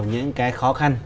những cái khó khăn